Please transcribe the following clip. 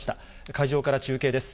会場から中継です。